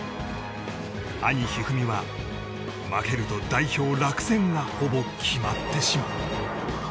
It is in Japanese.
兄・一二三は負けると代表落選がほぼ決まってしまう。